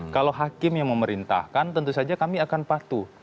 kalau hakim yang memerintahkan tentu saja kami akan patuh